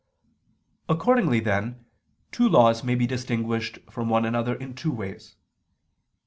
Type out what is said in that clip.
Accordingly then two laws may be distinguished from one another in two ways.